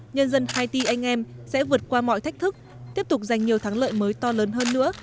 nhân dân haiti anh em sẽ vượt qua mọi thách thức tiếp tục giành nhiều thắng lợi mới to lớn hơn nữa